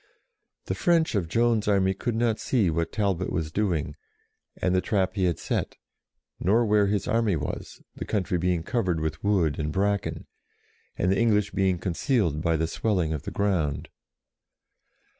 60 JOAN OF ARC The French of Joan's army could not see what Talbot was doing, and the trap he had set, nor where his army was, the country being covered with wood and bracken, and the English being concealed by the swelling of the ground.